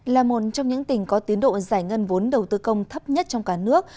là một trong những tỉnh có tiến độ giải ngân vốn đầu tư công thấp nhất trong cả nước